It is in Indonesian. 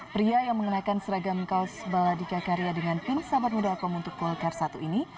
pria yang mengenakan seragam kaos baladika karya dengan tim sahabat muda akom untuk golkar satu ini